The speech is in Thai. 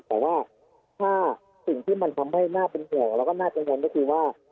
แต่ว่าถ้าสิ่งที่มันทำให้น่าเป็นห่วงแล้วก็น่ากังวลก็คือว่า